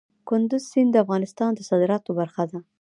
کندز سیند د افغانستان د صادراتو برخه ده.